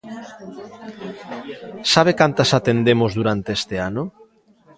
¿Sabe cantas atendemos durante este ano?